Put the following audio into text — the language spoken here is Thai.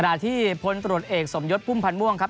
ที่พลตรวจเอกสมยศพุ่มพันธ์ม่วงครับ